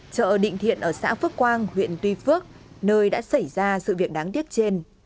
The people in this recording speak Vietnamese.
chợ định thiện ở xã phước quang huyện tuy phước nơi đã xảy ra sự việc đáng tiếc trên